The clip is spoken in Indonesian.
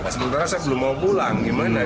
sebenarnya saya belum mau pulang